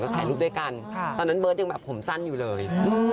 ถ่ายรูปด้วยกันตอนนั้นเบิร์ตยังแบบผมสั้นอยู่เลย